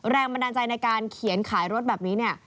แรงบันดาลใจในการเขียนขายรถแบบนี้เนี่ย